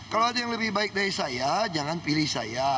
kalau ada yang lebih baik dari saya jangan pilih saya